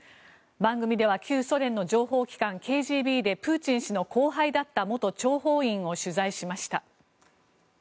番組では旧ソ連の情報機関、ＫＧＢでプーチン氏の後輩だった元諜報員を取材しました。